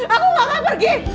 aku gak akan pergi